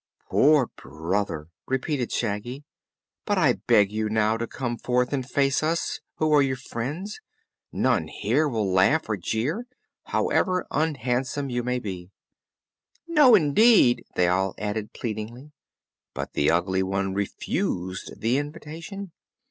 "Poor Brother!" repeated Shaggy. "But I beg you now to come forth and face us, who are your friends. None here will laugh or jeer, however unhandsome you may be." "No, indeed," they all added pleadingly. But the Ugly One refused the invitation.